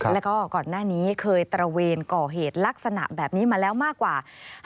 แล้วก็ก่อนหน้านี้เคยตระเวนก่อเหตุลักษณะแบบนี้มาแล้วมากกว่า